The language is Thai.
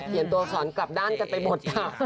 ตัวสอนกลับด้านกันไปหมดค่ะ